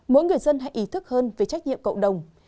mỗi người dân hãy ý thức hơn về trách nhiệm cộng đồng